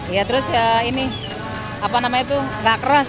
ya terus apa namanya tuh gak keras